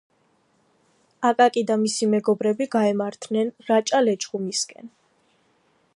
აკაკი და მისი მეგობრები გაემართნენ რაჭა-ლეჩხუმისკენ